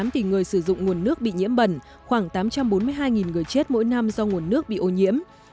tám tỷ người sử dụng nguồn nước bị nhiễm bẩn khoảng tám trăm bốn mươi hai người chết mỗi năm do nguồn nước bị ô nhiễm